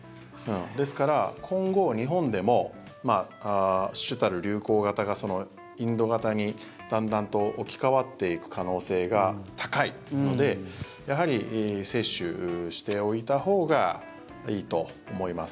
ですから今後、日本でも主たる流行型がインド型にだんだんと置き換わっていく可能性が高いのでやはり、接種しておいたほうがいいと思います。